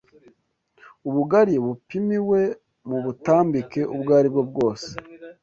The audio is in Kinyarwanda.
Ubugari bupimiwe mu butambike ubwo aribwo bwose